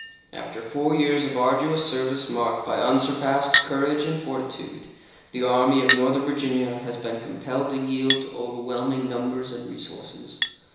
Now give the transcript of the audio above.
After four years of arduous service, marked by unsurpassed courage and fortitude, the Army of Northern Virginia has been compelled to yield to overwhelming numbers and resources.